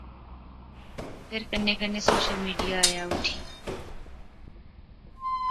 فیر کنے کنے سوشل میڈیا آیا اٹھی